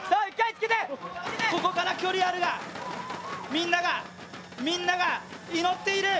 ここから距離はあるがみんながみんなが祈っている。